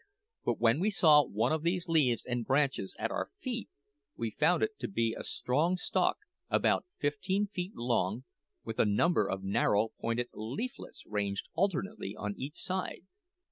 But when we saw one of these leaves or branches at our feet, we found it to be a strong stalk, about fifteen feet long, with a number of narrow, pointed leaflets ranged alternately on each side.